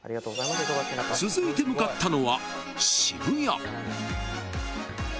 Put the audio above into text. ［続いて向かったのは］